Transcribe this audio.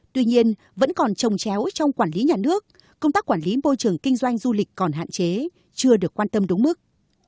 tuy nhiên vẫn còn trồng chéo trong quản lý nhà nước công tác quản lý môi trường kinh doanh du lịch còn hạn chế chưa được quan tâm đúng mức